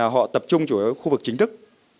họ tập trung chủ yếu khu vực chính thức